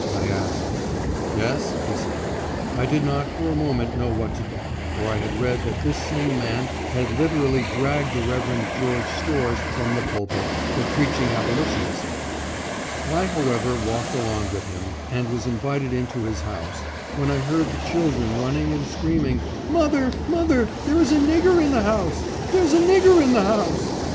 I asked. " Yes," he answered. I did not, for a moment, know what to do, for I had read that this same man had literally dragged the Reverend George Storrs from the pulpit, for preaching abolitionism. I, however, walked along with him, and was invited into his house, when I heard the children running and screaming, " Mother, mother, there is a nigger in the house ! There's a nigger in the house